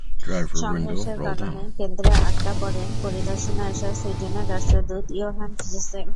সংঘর্ষের কারণে কেন্দ্রে আটকা পড়েন পরিদর্শনে আসা সুইডেনের রাষ্ট্রদূত ইয়োহান ফ্রিসেল।